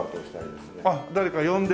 あっ誰か呼んで？